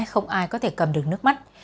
có lẽ không ai có thể cầm được nước mắt